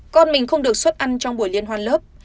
con mình không được suất ăn trong buổi liên hoàn lớp